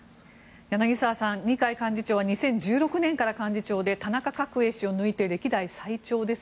柳澤さん、二階幹事長は２０１６年から幹事長で田中角栄氏を抜いて歴代最長です。